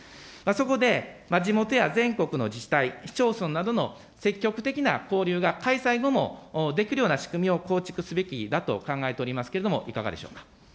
そこで、地元や全国の自治体、市町村などの積極的な交流が開催後もできるような仕組みを構築すべきだと考えておりますけれども、いかがでしょうか。